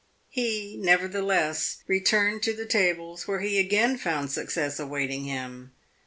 He, nevertheless, returned to the tables, where he again found success awaiting him.